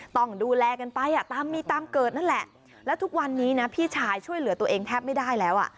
ต้องดูแลกันไปอ่ะตามมีตามเกิดนั่นแหละแล้วทุกวันนี้นะพี่ชายช่วยเหลือตัวเองแทบไม่ได้แล้วอ่ะ